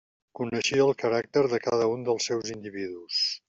Coneixia el caràcter de cada un dels seus individus.